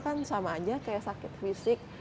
kan sama aja kayak sakit fisik